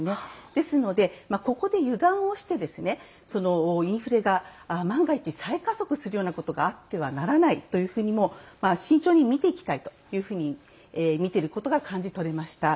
ですので、ここで油断してインフレが万が一、再加速するようなことになってはならないと慎重にいきたいとみていることが感じ取れました。